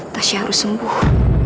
tasya harus sembuh